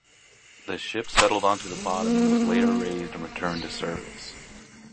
The ship settled onto the bottom and was later raised and returned to service.